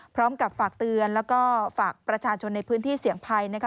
พร้อมกับฝากเตือนแล้วก็ฝากประชาชนในพื้นที่เสี่ยงภัยนะคะ